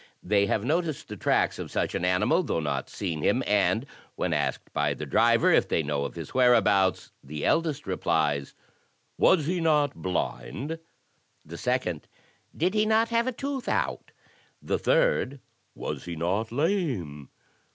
They have noticed the tracks of such an animal, though not seen him, and when asked by the driver if they know of his whereabouts, the eldest replies: *' Was he not blind? The second: "Did he not have a tooth out?" The third: "Was he not lame?"